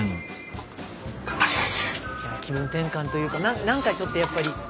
気分転換というかなんかちょっとやっぱり。